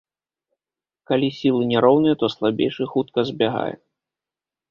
Калі сілы няроўныя, то слабейшы хутка збягае.